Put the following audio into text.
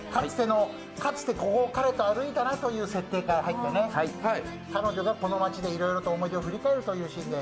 かつて、ここを彼女とあるイたなという設定から入ってね、彼女がこの街でいろいろと思い出を振り返るというシーン。